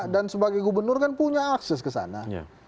dan sebagai gubernur kan punya akses ke sana